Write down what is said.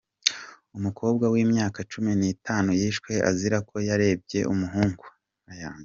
Umukobwa w’imyaka cumi nitanu yishwe azira ko yarebye umuhungu